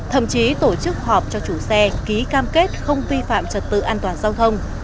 thậm chí tổ chức họp cho chủ xe ký cam kết không vi phạm trật tự an toàn giao thông